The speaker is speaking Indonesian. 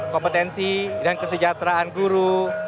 kompetensi dan kesejahteraan guru